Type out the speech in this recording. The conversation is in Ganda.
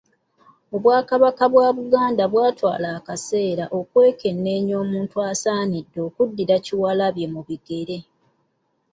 Obwakabaka bwatwala akaseera okwekenneenya omuntu asaanidde okuddira Kyewalabye mu bigere.